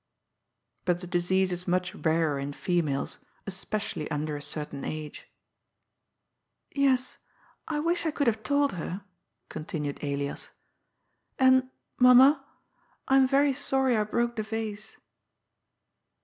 But the disease is much rarer in females, especially under a certain age. " Yes, I wish I could have told her," continued Elias ;" and, mamma, I am very sorry I broke the vase."